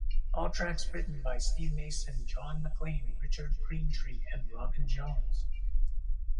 All tracks written by Steve Mason, John Maclean, Richard Greentree, and Robin Jones.